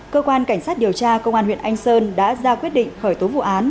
cơ quan cảnh sát điều tra công an huyện anh sơn đã ra quyết định khởi tố vụ án